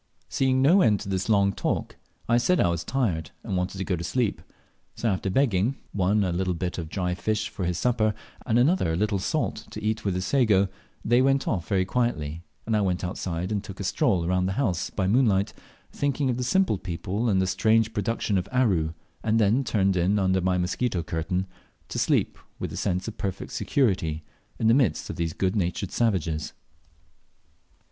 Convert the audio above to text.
Seeing no end to this long talk, I said I was tired, and wanted to go to sleep; so after begging one a little bit of dry fish for his supper, and another a little salt to eat with his sago they went off very quietly, and I went outside and took a stroll round the house by moonlight, thinking of the simple people and the strange productions of Aru, and then turned in under my mosquito curtain; to sleep with a sense of perfect security in the midst of these good natured savages.